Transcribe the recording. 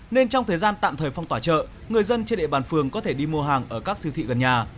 nên trong thời gian tạm thời phong tỏa chợ người dân trên địa bàn phường có thể đi mua hàng ở các siêu thị gần nhà